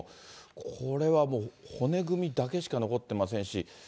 これはもう骨組みだけしか残ってませんし。